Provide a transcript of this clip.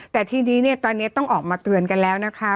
แต่ตอนนี้ต้องออกมาเตือนกันแล้วนะคะ